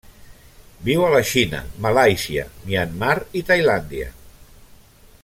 Viu a la Xina, Malàisia, Myanmar i Tailàndia.